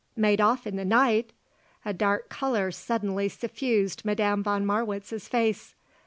"Made off in the night?" A dark colour suddenly suffused Madame von Marwitz's face.